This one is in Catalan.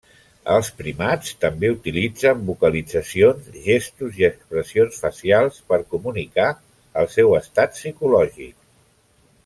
Els primats també utilitzen vocalitzacions, gestos i expressions facials per comunicar el seu estat psicològic.